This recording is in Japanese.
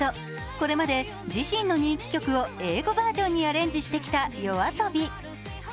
これまで自身の人気曲を英語バージョンにアレンジしてきたＹＯＡＳＯＢＩ。